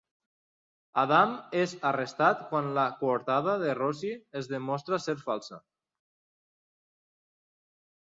Adam és arrestat quan la coartada de Rosie es demostra ser falsa.